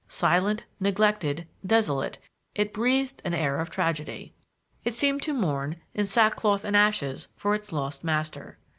Silent, neglected, desolate, it breathed an air of tragedy. It seemed to mourn in sackcloth and ashes for its lost master.